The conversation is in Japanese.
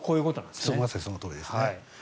まさにそのとおりですね。